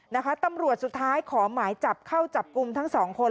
นะคะตำรวจสุดท้ายขอหมายจับเข้าจับกลุ่มทั้งสองคน